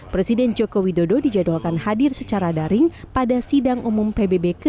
presiden joko widodo dijadwalkan hadir secara daring pada sidang umum pbb ke